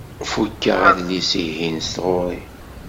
Fukeɣ adlis-ihin s tɣuri.